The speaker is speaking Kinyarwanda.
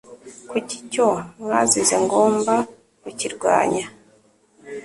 kuko icyo mwazize ngomba kukirwanya.